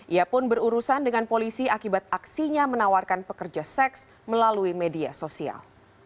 ia pun berurusan dengan polisi akibat aksinya menawarkan pekerja seks melalui media sosial